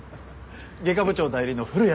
外科部長代理の古谷です。